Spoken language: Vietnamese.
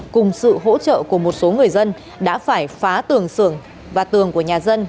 cùng sự hỗ trợ của một số người dân đã phải phá tường xưởng và tường của nhà dân